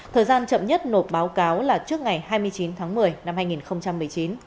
thời gian chậm nhất nộp báo cáo là trước ngày hai mươi chín tháng một mươi năm hai nghìn một mươi chín